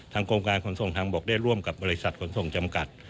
กรมการขนส่งทางบกได้ร่วมกับบริษัทขนส่งจำกัด